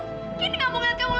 kendi enggak mau ngeliat kamu lagi